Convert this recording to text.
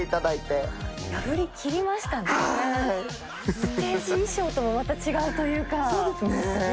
ステージ衣装ともまた違うとそうですね。